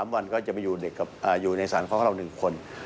๓วันก็จะมาอยู่ในสถานที่พ่อเรา๑คน